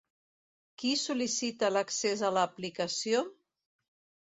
Qui sol·licita l'accés a l'aplicació?